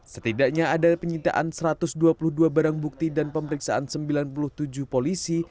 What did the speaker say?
setidaknya ada penyitaan satu ratus dua puluh dua barang bukti dan pemeriksaan sembilan puluh tujuh polisi